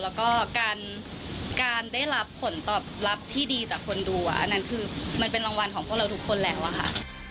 แล้วก็การได้รับผลตอบรับที่ดีจากคนดูอันนั้นคือมันเป็นรางวัลของพวกเราทุกคนแล้วอะค่ะ